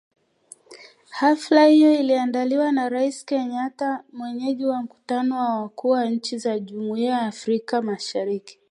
Hafla hiyo iliandaliwa na Rais Kenyatta mwenyeji wa mkutano wa wakuu wa nchi za Jumuiya ya Afrika Mashariki